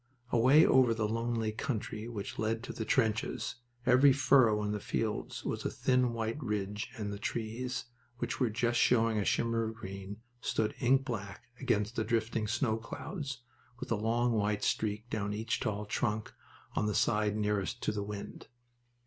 Away over the lonely country which led to the trenches, every furrow in the fields was a thin white ridge, and the trees, which were just showing a shimmer of green, stood ink black against the drifting snow clouds, with a long white streak down each tall trunk on the side nearest to the wind.